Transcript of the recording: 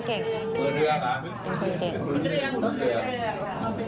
เดี๋ยวจังโบยเลยไม่รับได้